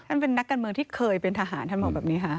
ท่านเป็นนักการเมืองที่เคยเป็นทหารท่านบอกแบบนี้ค่ะ